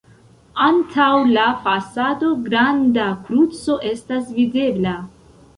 Antaŭ la fasado granda kruco estas videbla.